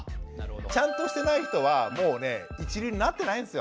ちゃんとしてない人はもうね一流になってないんですよ。